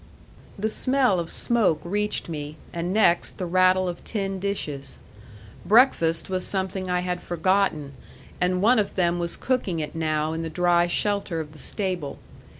The smell of smoke reached me, and next the rattle of tin dishes. Breakfast was something I had forgotten, and one of them was cooking it now in the dry shelter of the stable.